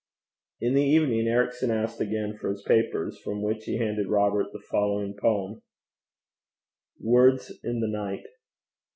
In the evening Ericson asked again for his papers, from which he handed Robert the following poem: WORDS IN THE NIGHT.